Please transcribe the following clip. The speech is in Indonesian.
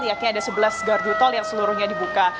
yakni ada sebelas gardu tol yang seluruhnya dibuka